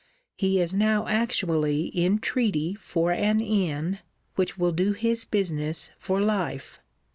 He is now actually in treaty for an inn, which will do his business for life.